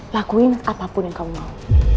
lakuin apapun yang kamu mau